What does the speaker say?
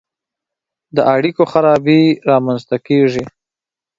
د اړیکو خرابي رامنځته کیږي.